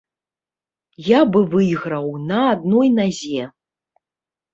Я бы выйграў на адной назе.